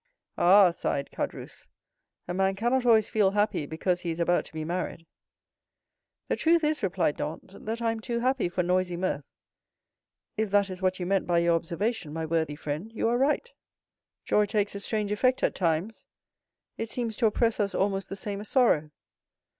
"Ah," sighed Caderousse, "a man cannot always feel happy because he is about to be married." "The truth is," replied Dantès, "that I am too happy for noisy mirth; if that is what you meant by your observation, my worthy friend, you are right; joy takes a strange effect at times, it seems to oppress us almost the same as sorrow."